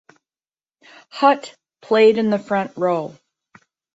Hutt played in the front row.